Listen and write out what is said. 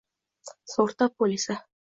sug'urta polisi